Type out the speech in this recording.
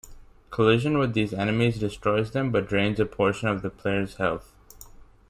Collision with these enemies destroys them but drains a portion of the player's health.